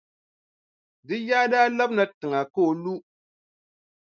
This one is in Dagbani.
Di yaa daa labina tiŋa ka o lu.